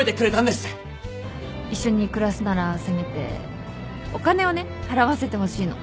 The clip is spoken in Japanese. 一緒に暮らすならせめてお金をね払わせてほしいの